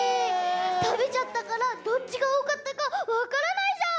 たべちゃったからどっちがおおかったかわからないじゃん。